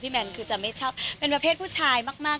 แมนคือจะไม่ชอบเป็นประเภทผู้ชายมาก